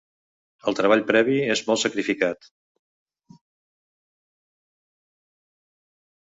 El treball previ és molt sacrificat.